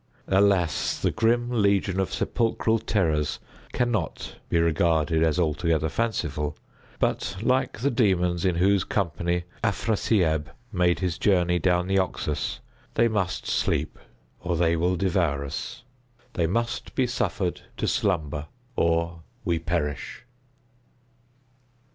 Alas! the grim legion of sepulchral terrors cannot be regarded as altogether fanciful—but, like the Demons in whose company Afrasiab made his voyage down the Oxus, they must sleep, or they will devour us—they must be suffered to slumber, or we perish.